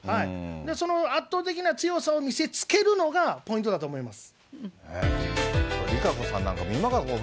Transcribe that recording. その圧倒的な強さを見せつけるのがポイントだと思います。